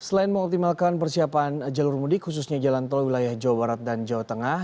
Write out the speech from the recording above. selain mengoptimalkan persiapan jalur mudik khususnya jalan tol wilayah jawa barat dan jawa tengah